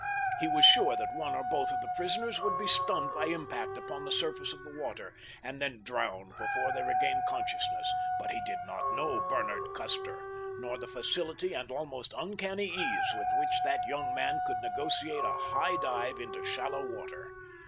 He was sure that one or both of the prisoners would be stunned by impact with the surface of the water, and then drowned before they regained consciousness, but he did not know Bernard Custer, nor the facility and almost uncanny ease with which that young man could negotiate a high dive into shallow water.